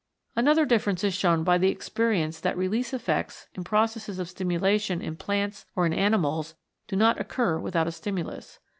Another difference is shown by the experience that release effects in processes of stimulation in plants or in animals do not occur without a stimulus.